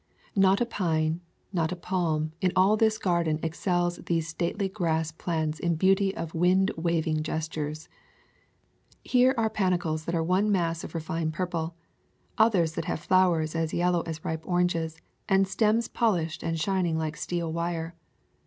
Not a pine, not a palm, in all this garden excels these stately grass plants in beauty of wind waving gestures. Here are panicles that are one mass of refined purple; others that have flowers as yellow as ripe oranges, and stems pol ished and shining like steel wire.